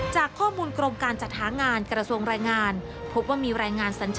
จากข้อมูลกรมการจัดหางานกระทรวงแรงงาน